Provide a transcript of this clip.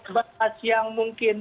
kebebasan yang mungkin